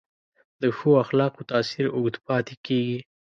د ښو اخلاقو تاثیر اوږد پاتې کېږي.